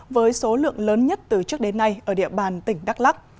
với số lượng lớn nhất từ trước đến nay ở địa bàn tỉnh đắk lắc